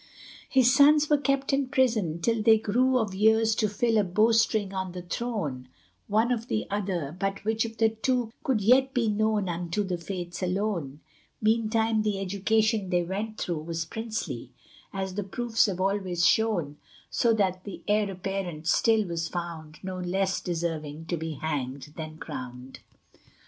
His sons were kept in prison, till they grew Of years to fill a bowstring or the throne, One or the other, but which of the two Could yet be known unto the Fates alone: Meantime the education they went through Was princely, as the proofs have always shown; So that the heir apparent still was found No less deserving to be hanged than crowned.